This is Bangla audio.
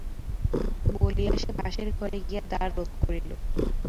বলিয়া সে পাশের ঘরে গিয়া দ্বার রোধ করিল।